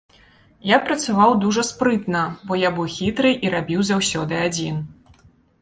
Я працаваў дужа спрытна, бо я быў хітры і рабіў заўсёды адзін.